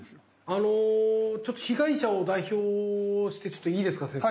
あのちょっと被害者を代表してちょっといいですか先生。